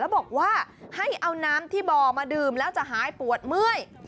บอกว่าให้เอาน้ำที่บ่อมาดื่มแล้วจะหายปวดเมื่อย